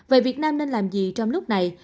vậy việt nam nên làm gì trong lúc này